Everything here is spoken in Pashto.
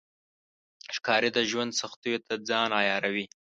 ښکاري د ژوند سختیو ته ځان عیاروي.